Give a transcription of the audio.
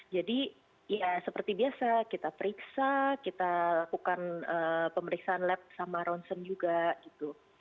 jadi ya seperti biasa kita periksa kita lakukan pemeriksaan lab sama ronsen juga gitu